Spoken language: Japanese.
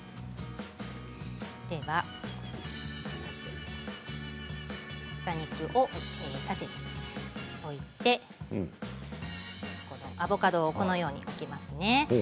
では豚肉を縦に置いてアボカドをこのように置きますね。